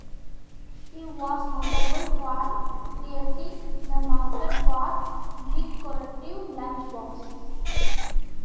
He was notable for creating the market for decorative lunch boxes.